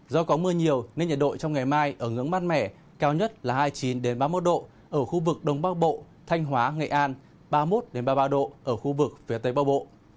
do có mưa nhiều nên nhiệt độ trong ngày mai ở ngưỡng mát mẻ cao nhất là hai mươi chín ba mươi một độ ở khu vực đông bắc bộ thanh hóa nghệ an ba mươi một ba mươi ba độ ở khu vực phía tây bắc bộ